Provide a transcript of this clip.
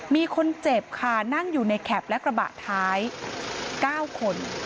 มีคนเจ็บค่ะนั่งอยู่ในแคปและกระบะท้าย๙คน